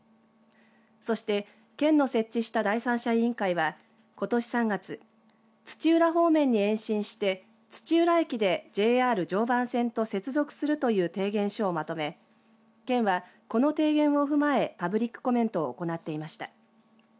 そして、県の設置した第三者委員会はことし３月土浦方面に延伸して土浦駅でＪＲ常磐線と接続するという提言書をまとめ県はこの提言を踏まえパブリックコメントを行っていました。